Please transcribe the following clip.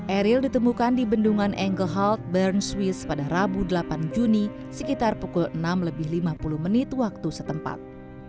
eril ditemukan di bendungan angelt bern swiss pada rabu delapan juni sekitar pukul enam lebih lima puluh menit waktu setempat